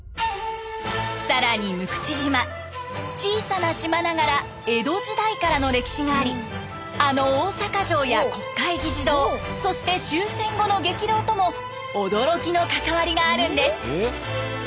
更に六口島小さな島ながら江戸時代からの歴史がありあの大阪城や国会議事堂そして終戦後の激動とも驚きの関わりがあるんです。